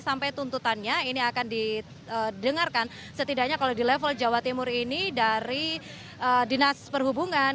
sampai tuntutannya ini akan didengarkan setidaknya kalau di level jawa timur ini dari dinas perhubungan